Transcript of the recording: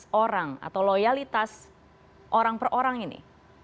bagaimana dengan kualitas orang atau loyalitas orang per orang ini